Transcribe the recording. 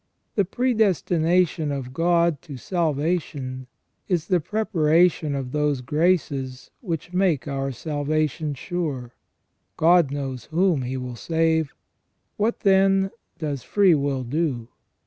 The predestination of God to salvation is the preparation of those graces which make our salvation sure. God knows whom He will save. What, then, does free will do